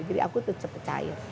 jadi aku tuh cepat cair